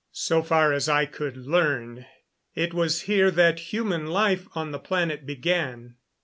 So far as I could learn, it was here that human life on the planet began.